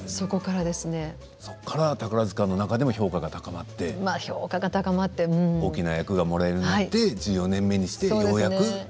そこから宝塚の中でも評価が高まって、大きな役がもらえて１４年目にしてようやく。